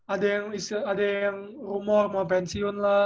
ada yang rumor mau pensiun lah